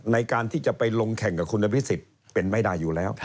ในการที่จะไปลงแข่งกับคุณอภิษฎเป็นไม่ได้อยู่แล้ว